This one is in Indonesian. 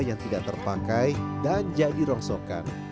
yang tidak terpakai dan jadi rongsokan